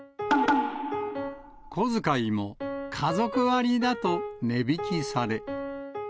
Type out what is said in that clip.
小遣いも家族割だと値引きされ。